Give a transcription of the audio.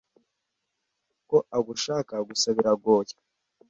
ko agushaka gusa biragoye